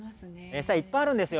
餌、いっぱいあるんですよ。